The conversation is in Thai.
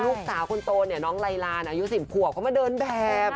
ลูกสาวคนโตน้องลายลานอายุ๑๐ข่วงคือเขามาเดินแบบ